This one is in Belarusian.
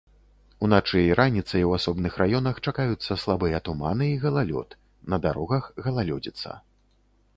Уначы і раніцай у асобных раёнах чакаюцца слабыя туманы і галалёд, на дарогах галалёдзіца.